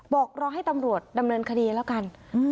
บอกรอให้ตำรวจดำเนินคดีแล้วกัน